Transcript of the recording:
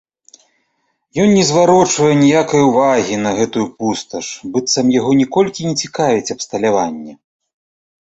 Ён не зварочвае ніякае ўвагі на гэтую пусташ, быццам яго ніколькі не цікавіць абсталяванне.